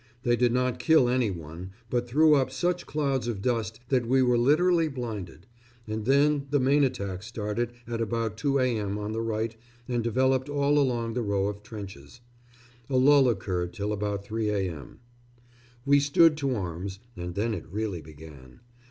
They did not kill any one, but threw up such clouds of dust that we were literally blinded; and then the main attack started at about 2 a.m. on the right and developed all along the row of trenches. A lull occurred till about 3 a.m. We stood to arms, and then it really began.